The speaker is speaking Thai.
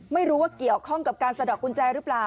ไม่รู้ว่าเกี่ยวข้องกับการสะดอกกุญแจหรือเปล่า